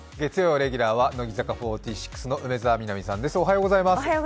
レギュラーは乃木坂４６の梅澤美波さんです。